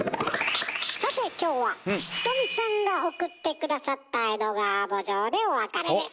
さて今日はひとみさんが送って下さった「江戸川慕情」でお別れです。